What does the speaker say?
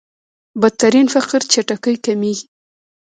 بدترين فقر چټکۍ کمېږي.